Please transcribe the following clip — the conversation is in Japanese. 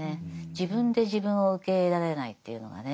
自分で自分を受け入れられないというのがね。